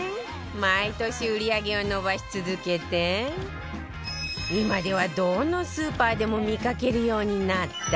毎年売り上げを伸ばし続けて今ではどのスーパーでも見かけるようになった